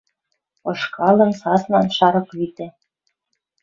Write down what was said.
Ышкалын, саснан, шарык витӓ —